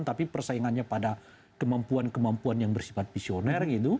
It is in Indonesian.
tapi persaingannya pada kemampuan kemampuan yang bersifat visioner gitu